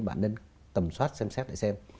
bạn nên tầm soát xem xét để xem